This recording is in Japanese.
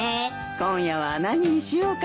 今夜は何にしようかね。